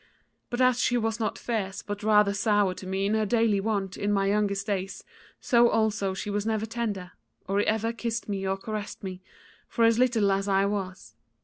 But as she was not fierce but rather sour to me in her daily wont in my youngest days so also she was never tender, or ever kissed me or caressed me, for as little as I was.